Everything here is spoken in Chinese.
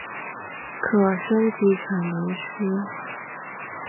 可升级成麟师。